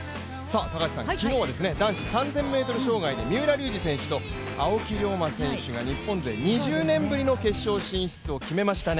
昨日は男子３０００ｍ障害で三浦龍司選手と青木涼真選手が日本勢２０年ぶりの決勝進出を決めましたね。